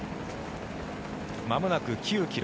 まもなく９ｋｍ。